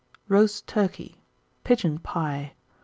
_ Roast Turkey. Pigeon Pie.